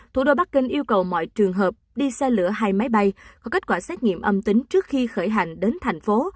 thủ đô bắc kinh yêu cầu mọi trường hợp đi xe lửa hai máy bay có kết quả xét nghiệm âm tính trước khi khởi hành đến thành phố